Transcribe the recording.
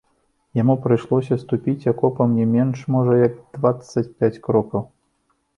Яму прыйшлося ступіць акопам не менш, можа, як дваццаць пяць крокаў.